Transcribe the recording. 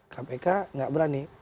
kpk tidak berani